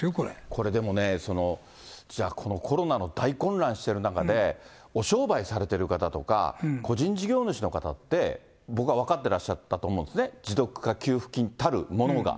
これでもね、じゃあ、このコロナの大混乱している中で、お商売されてる方とか、個人事業主の方って、僕は分かってらっしゃったと思うんですよね、持続化給付金たるものが。